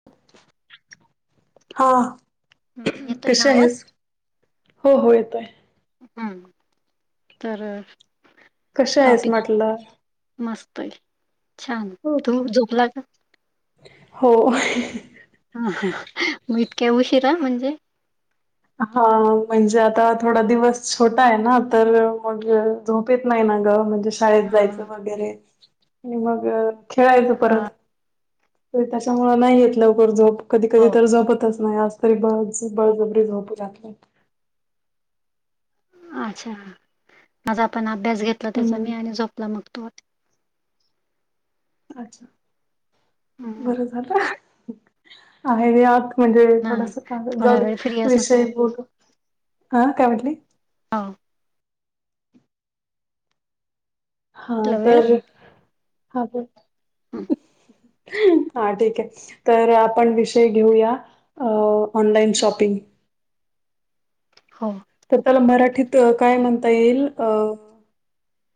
[unintelligible] हा हम्म येतोय कशी ना आवाज आहेस हो हो येतोय हम्म तर कशी आहेस टॉपिक म्हटलं. मस्त आहे छान तू ओके. झोपला का हो हा हा मग इतक्या उशिरा म्हणजे हा म्हणजे आता थोडा दिवस छोटा आहे ना तर मग झोप येत नाही ना ग म्हणजे शाळेत हा जायचं वगैरे आणि मग खेळायचं परत. त्याच्यामुळे नाही येत लवकर झोप कधी कधी हो तर झोपतच नाही आज तरी बळ बळजबरी झोपू लागलं. अच्छा माझा पण अभ्यास घेतला त्याचा हम्म मी आणि झोपला मग तो. अच्छा हम्म. बरं झालं आहे र आत म्हणजे ना थोडस का थोडा जाऊ दे वेळ फ्री असेल विषय बोट हा काय म्हटली ह हा कुठला तर हा बोल हम् हा ठीक आहे, तर आपण विषय घेऊया, ऑनलाईन शॉपिंग. हो. तर त्याला मराठीत काय म्हणता येईल? अ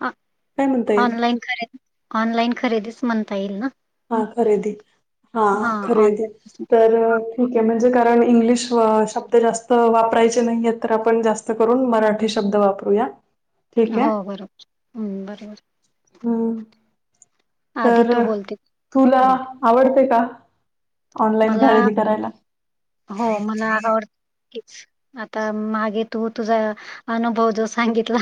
अ काय म्हणता येईल? ऑनलाईन खरेदी, ऑनलाईन खरेदीच म्हणता येईल ना? हा खरेदी, हा खरेदी, तर ठीके म्हणजे, कारण इंग्लिश शब्द जास्त वापरायचे नाहीयेत, तर आपण जास्त करून मराठी शब्द वापरूया. ठीक हो आहे. बरोबर, हं बरोबर. हम! आधी तर तू बोलते तुला हम्म. आवडतय का? ऑनलाईन मला खरेदी करायला? हो मला आवडत, आता मागे हो, तू तुझा अनुभव जो सांगितला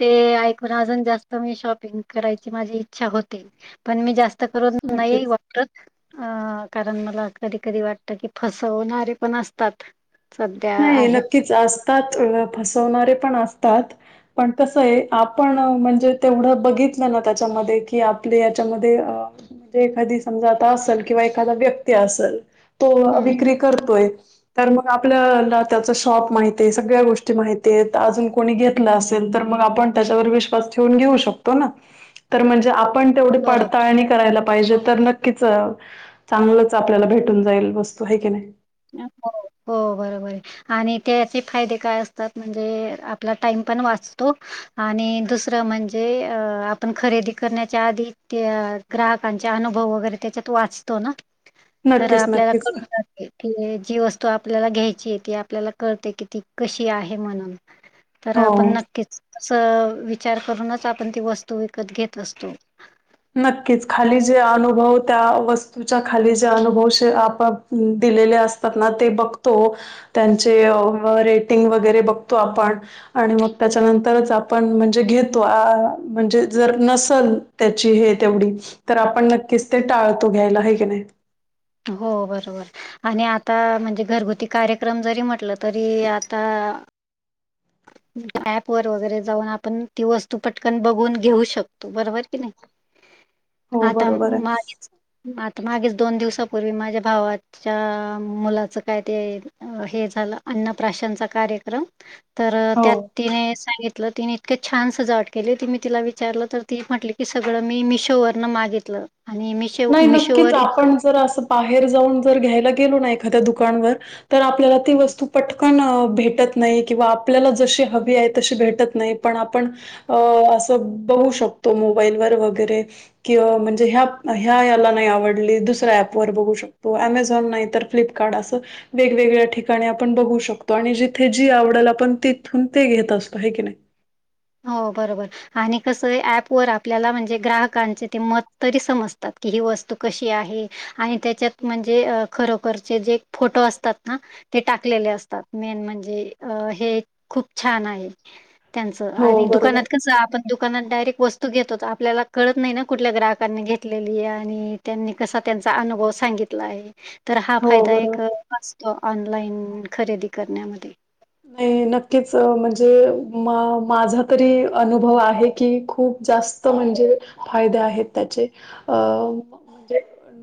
ते ऐकून, अजून जास्त मी शॉपिंग करायची माझी इच्छा होती. पण मी जास्त करून नक्कीच. नाही वापरत, अ कारण मला कधी-कधी वाटतं की, फसवणारे पण असतात. सध्या नाही आहेत नक्कीच असतात, फसवणारे पण असतात. पण कसंये, आपण म्हणजे तेवढं बघितलं ना त्याच्यामध्ये, कि आपले याच्यामध्ये अ म्हणजे एखादी समजा आता असल, किंवा एखादा व्यक्ती असल तो हम्म विक्री करतोय, तर मग आपलं त्याला त्याच शॉप माहितियेत, सगळ्या गोष्टी माहितेत, अजून कोणी घेतल असेल, तर मग आपण त्याच्यावर विश्व पण ठेऊन घेवू शकतो ना? तर म्हंजे आपण तेवढी बरोबर पडताळणी करायला पाहिजे, तर नक्कीच चांगलंच आपल्याला भेटून जाईल वस्तू, हाय की नई हो हो, बरोबर आहे. आणि त्याचे फायदे काय असतात, म्हणजे आपला टाइम पण वाचतो. आणि दुसरं म्हणजे, अ आपण खरेदी करण्याच्या आधी ते ग्राहकांचे अनुभव वगैरे त्याच्यात वाचतो ना, तर नक्कीच आपल्याला नक्कीच कळून जा जी वस्तू आपल्याला घ्यायची ये, ती आपल्याला कळते कि ती कशी आहे म्हणून, तर आपण हो. नक्कीच अस विचार करूनच, आपण ती वस्तू विकत घेत असतो. नक्कीच, खाली जे अनुभव, त्या वस्तूच्या खाली जे अनुभव आप दिलेले असतात ना, ते बघतो त्यांचे रेटिंग वगैरे बघतो आपण. आणि मग त्याच्यानंतरच आपण म्हणजे घेतो, म्हणजे जर नसल ते [unintelligible] तेवढीच, तर आपण ते नक्कीच टाळतो घ्यायला, हे की नाही? हो बरोबर. आणि आता म्हणजे, घरगुती कार्यक्रम जरी म्हटलं तरी आता ऍप वर वगैरे जाऊन, आपण ती वस्तू पटकन बघून घेऊ शकतो, बरोबर कि नाही? हो आता बरोबर आहे. मागेच आता मागेच दोन दिवसाांपूर्वी माझ्या भावात च्या मुलाच, काय ते हे झालं, अन्नप्राशांचा कार्यक्रम. तर हो. त्यात तिने सांगितलं, तिने इतकं छान सजावट केली होती, मी तिला विचारलं तर ती म्हटली की सगळं मी मिशोवरन मागितलं, आणि मि मिशोवर इतकं तर अस बाहेर जाऊन घ्यायला गेलो ना एखाद्या दुकानवर, तर आपल्याला ती वस्तू प आपण भेटत नाही, किंवा आपल्याला जशी हवी आहे, तशी भेटत नाही. पण आपण असं बघू शकतो, मोबाईल वर वगैरे किंवा म्हणजे ह्या ह्या याला नाही आवडली, दुसऱ्या ऍप ववर बघू शकतो, अमेझॉन, नाही तर फ्लिपकार्ट असं वेगवेगळ्या ठिकाणी आपण बघू शकतो, आणि जिथे जी आवडल, आपण तिथून ते घेत असतो, होय की नाही हो बरोबर. आणि कसं ऍपवर आपल्याला म्हणजे, ग्राहकांचे ते मत तरी समजतात, की ही वस्तू कशी आहे? आणि त्याच्यात म्हणजे खरोखरचे जे फोटो असतात ना, ते टाकलेले असतात मेन म्हणजे हे खूप छान आहे त्यां हो, आणि बरोबर. दुकानात कसं आपण दुकानात डायरेक्ट वस्तू घेत होत आपल्याला कळत नाही ना कुठल्या ग्राहकांनी घेतलेली आणि त्यांनी कसा त्यांचा अनुभव सांगितला आहे. तर हा हो, फायदा बरोबर. एक असतो ऑनलाईन खरेदी करण्यामध्ये नाही नक्कीच म्हणजे म माझा तरी अनुभव आहे की खूप जास्त म्हणजे फायदे आहेत त्याचे अ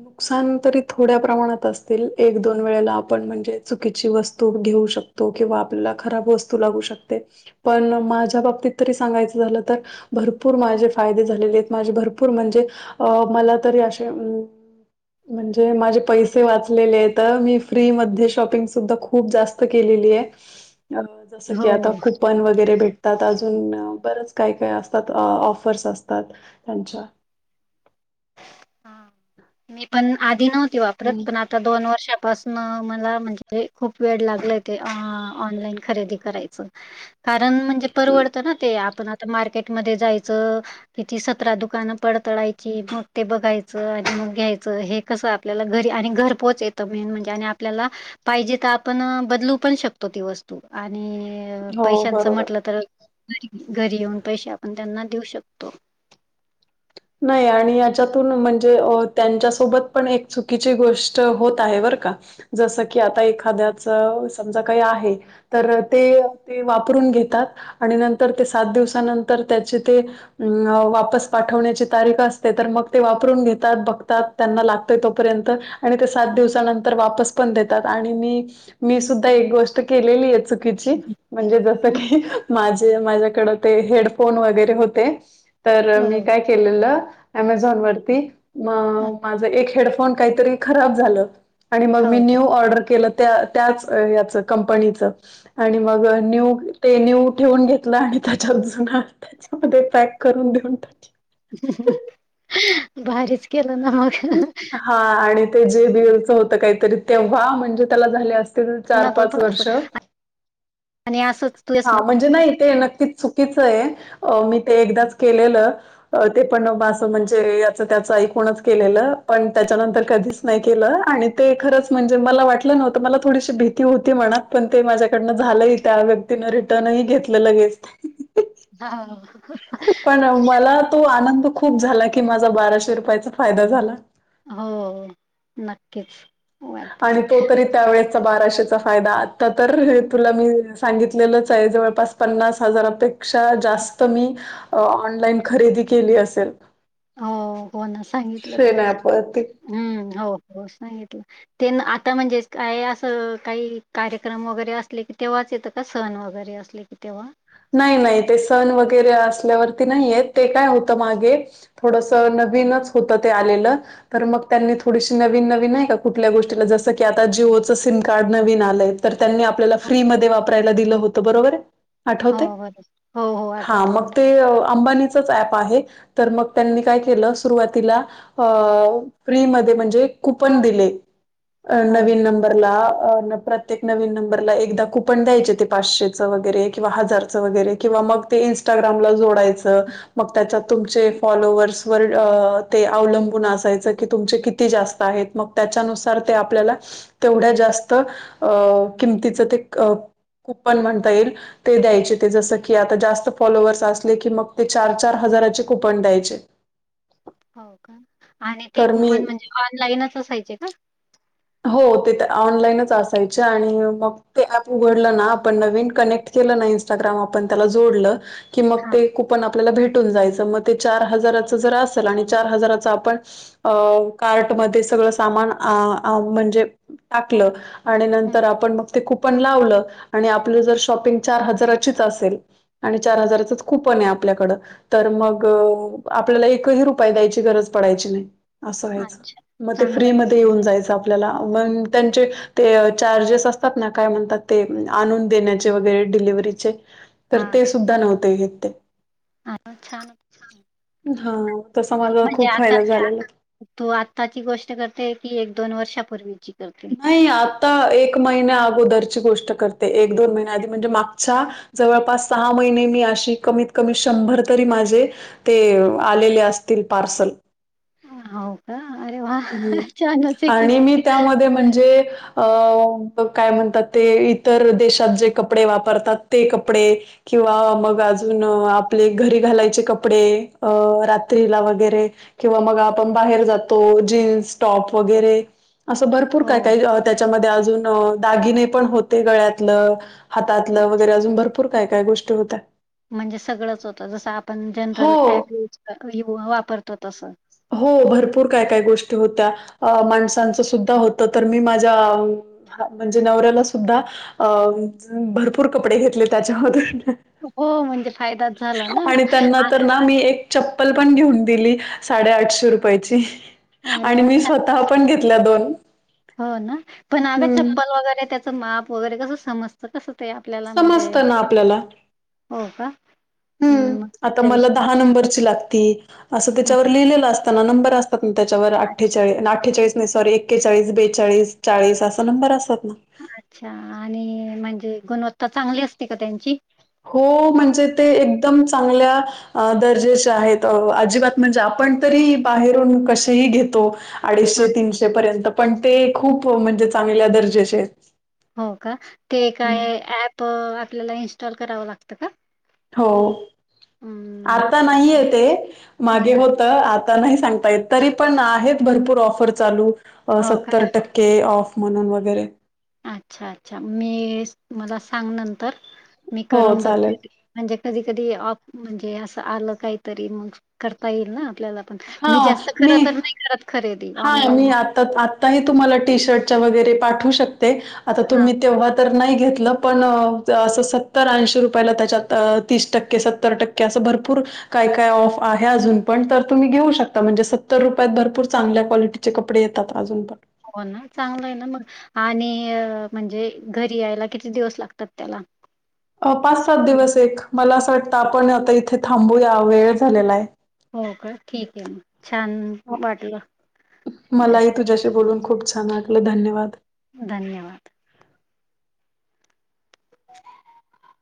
नुकसान तरी थोड्या प्रमाणात असतील एक दोन वेळेला आपण म्हणजे चुकीची वस्तू घेऊ शकतो. त किंवा आपल्याला खराब वस्तू लागू शकते पण माझ्या बाबतीत तरी सांगायचं झालं तर भरपूर माझे फायदे झालेले आहेत माझे भरपूर म्हणजे अ मला तरी असे म्हणजे माझे पैसे वाचलेले तर मी फ्री मध्ये शॉपिंग सुद्धा खूप जास्त केलेली आहे जस की हो. आता कुपन वगैरे भेट त्यात अजून बरेच काय काय असतात ऑफर्स असतात त्यांच्या ह मी पण आधी नव्हती वापरत हं, पण आ आता दोन वर्षापासून मला म्हणजे खूप वेड लागला ते ऑनलाईन खरेदी करायचं. कारण म्हणजे हं. परवडत ना ते आप मार्केट मध्ये जायचं तिथी सतरा दुकानं पडतळायची. ते बघायचं आणि मग घ्यायचं हे कसं आपल्याला घरी आणि घर पोहोच येतं मेन म्हणजे आणि आपल्याला पाहिजे तर आपण बदलू पण शकतो ती वस्तू आणि हो पैशांचं बरोबर. म्हटलं तर घरी येऊन पैसे आपण त्यांना देऊ शकतो. नाही आणि याच्यातून म्हणजे त्यांच्यासोबत पण एक चुकीची गोष्ट होत आहे बर का. जसं की आता एखाद्याच समजा काही आहे. तर ते ते वापरून घेतात आणि नंतर ते सात दिवसानंतर त्याचे ते अ वापस पाठवण्याचे तारीख असते तर मग ते वापरून घेतात बघतात त्यांना लागतोय तोपर्यंत आणि ते सात दिवसानंतर वापस पण देतात आणि मी मी सुद्धा एक गोष्ट केलेली आहेच. चुकीच म्हणजे जस की माझे माझ्याकड ते हेडफोन वगैरे होते. तर हो मी काय केलेलं अमेझॉन वरती म माझ एक हेडफोन काहीतरी खराब झालं आणि हो न्यू हे ऑर्डर केलं. त्या त्याच याच कंपनीचं आणि मग न्यू ते न्यू ठेवून घेतलं आणि त्याच्या अ जुून त्याच्यामध्ये पॅक करून देऊन टाकलं. भारीच केलं ना मग हा आणि ते जे बीलच होत काहीतरी तेंव्हा म्हणजे त्याला झाले अस चार ना तो पाच थोडस वर्ष. आणि असंच तुच हां, म्हणजे नाही ते नक्कीच चुकीचं आहे मी ते एकदाच केलेलं. ते पण बा अस म्हणजे याच त्याच ऐकूनच केलेलं. पण त्याच्यानंतर कधीच नाही केलं आणि ते खरंच म्हणजे मला वाटलं नव्हतं मला थोडीशी भीती होती मनात पण ते माझ्याकडनं झालं त्या व्यक्तीने रिटर्नही घेतलं लगेच हा पण मला तो आनंद खूप झाला की माझा बाराशे रुपयाचा फायदा झाला. हो नक्कीच, वाटत ते आणि तो तरी त्या वेळेचा बाराशेचा फायदा आता तर तुला मी सांगितलेलंच आहे जवळपास पन्नास हजारापेक्षा जास्त मी ऑनलाईन खरेदी केली असेल. हो हो ना सांगितलं तू सेनापती. हम्म हो हो सांगितलं. ते आता म्हणजे काय असं काही कार्यक्रम वगैरे असले की तेवहाच येतं का सण वगैरे असले की, ते तेव्हा नाही नाही ते सण वगैरे असल्यावरती नाही येत ते काय होतं मागे थोड सण बीनच होत ते आलेलं. तर मग त्यांनी थोडीशी नवीन नवीन नाही का कुठल्या गोष्टीला जसं की आता जिओचं सिम कार्ड नवीन आलंय. तर त्यांनी आपल्याला हो फ्रीमध्ये वापरायला दिलं होतं बरोबर आहे. आठवतय हो बरं हो हो हा आठवत मग आठवत. ते आंबानीचच ऍप आहे तर मग त्यांनी काय केलं सुरवातीला अ फ्री मध्ये म्हणजे कूपन दिले हो नवीन नं बरला अ प्रत्येक नवीन नंबरला एकदा कुपन द्यायचे ते पाचशेचं वगैरे किंवा हाजारचं वगैरे किंवा मग ते इंस्टाग्रामला जोडायचं. मग त्याच्या तुमचे हम्म. फॉलोवर्स वर अ ते अवलंबून असायच की तुमचे किती जास्त आहेत. मग त्याच्यानुसार ते आपल्याला तेवढ्या जास्त अ किमतीचं ते अ कूपण म्हणता येईल ते द्यायचे ते जसं की आता जास्त फॉलोवर्स असले की मग ते चार चार हाजाराचे कुपन द्यायचे. हो का आणि ते तर मी कूपन म्हणजे ऑनलाईनच असायचे का? हो तिथं ऑनलाईनच असायचे आणि मग ते ऍप उघडलं ना आपण नवीन कनेक्ट केलं नाही इंस्टाग्राम आपण त्याला जोडलं कि मग हा ते कूपन आपल्याला भेटून जायचं मग ते चार हजाराचं जर असल आणि चार हजाराचं आपण अ कार्टमध्ये सगळं सामान आ आ म्हणजे टाकलं. आणि हम्म. नंतर आपण मग ते कूपन लावलं आणि आपलं जर शॉपिंग चार हजाराचीच असेल आणि चार हजाराचंच कूपन ने आपल्याकडं तर मग आपल्याला एकही रुपाय द्यायची गरज पडायची नाही. अस व्हायचं अच्छा मग ते चांगलं फ्री म आहे ध्ये येऊन जायच आपल्याला मग त्यांचे ते चार्जेस असतात ना काय म्हणतात ते आणून देण्याचे वगैरे डिलिव्हरीचे तर ते सुद्धा नव्हते घेत ते. हा हा छान होत. हा. तसा एक माझा म्हणजे खूप आता फायदा झालेला तू आत्ताची गोष्ट करते की एक दोन वर्षापूर्वीची करते. नाही आता एक महिन्या अगोदरची गोष्ट करते एक दोन महिन्या आधी म्हणजे माग च्या जवळपास सहा महिने मी अशी कमीत कमी शंभर तरी माझे ते आलेले असतील पार्सल. आ आ हो का अरे वा हम्म छानच हे कि आणि मग. मी त्यामध्ये म्हणजे अ काय म्हणतात ते इतर देशात जे कपडे वापरतात ते कपडे किंवा मग अजून आपले घरी घालायचे कपडे अ रात्रीला वगैरे. किंवा मग आपण बाहेर जातो जीन्स टॉप वगैरे असं भरपूर काय हो. काही त्याच्यामध्ये अजून अ दागिने पण होते गळ्यातलं. हातातलं अच्छा. वगैरे अजून भरपूर काय काय गोष्टी होत्या. म्हणजे सगळंच होतं जसं आपण जनरल हो. ऍप युज अ यु वापरतो तसं. हो भरपूर काय काय गोष्टी होत्या अ माणसांचं सुद्धा होतं तर मी माझ्या ह म्हणजे नवऱ्याला सुद्धा अ भरपूर कपडे घेतले त्याच्यामधून. हो म्हणजे फायदाच झाला ना त्यांना आस तर ना आणि एक चप्पल पण घेऊन दिली साडे आठशे रुपयची अरे आणि वाह! मी छान. स्व तः हा पण घेतल्या दोन. हो ना पण आगं चप्पल वगैरे त्याचं माप वगैरे कसं समज त कस ते आपल्याला म्हणजे समजतं ना कूट हो का. हम्म. हं, मग आता मला त्याच्याविषयी दहा नंबरची लागती असं हं. त्याच्यावर लिहिलेलं असताना नंबर अस तात त्याच्यावर अच्छा, अठ्ठेचाळी अठ्ठेचाळीस नाही सॉरी एक्केचाळीस बेचाळीस चाळीस अस नंबर असतात ना. अच्छा आणि म्हणजे गुणवत्ता चांगली असते का त्यांची? हो म्हणजे ते एकदम चांगल्या अ दर्जेचे आहेत. अजिबात म्हणजे आपण तरी बाहेरून कसेही घेतो. अडीचशे हां. तीनशे पर्यंत पण ते खूप म्हणजे चांगल्या दर्जेचे. येत हो का, ते काय ऍप आपल्याला इन्स्टॉल करावं लागतं का? हो अं, आता नाहीय ते मागे नाही हो आता नाही सांगता येत तरी पण आहेत भरपूर ऑफर चालू हो का? सत्तर टक्के के ऑफ म्हणून वगैरे अच्छा! अच्छा! मी मला सांग नंतर मी हो, करून बघ चालेल. म्हणजे कधी कधी ऑफ म्हणजे असं आलं काहीतरी मग करता येईल ना आपल्याला. मी जास्त खर तर नाही करत खरेदी. हा मी ऑनलाईन. आता आताही तुम्हाला टी शर्टच्या वगैरे पाठवू शकते आता हां, तुम्ही तेव्हा तर नाही घेतलं पण अस सतर ऐशी रुपयाला त्याच्यात तीस टक्के सतर टक्के भरपूर काय काय ऑफ आहे अजून पण तर तुम्ही घेऊ शकता म्हणजे सत्तर रुपयात भरपूर चांगल्या क्वालिटीचे कपडे येतात अजून पण हो ना चांगलं आहे ना मग, आणि म्हणजे घरी यायला किती दिवस लागतात त्याला पाच सात दिवस एक मला असं वाटतं आपण आता इथे थांबूया वेळ झालेला आहे. हो का ठीक आहे म छान वाटलं तू मलाही तुझ्याशी बोलून खूप छान वाटलं धन्यवाद. धन्यवाद. [unintelligible]